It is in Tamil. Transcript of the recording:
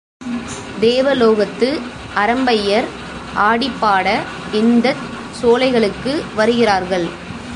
தேவலோகத்து அரம்பையர் ஆடிப்பாட, இந்தச் சோலைகளுக்கு வருகிறார்கள்.